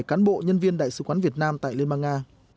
cán bộ nhân viên đại sứ quán việt nam tại liên bang nga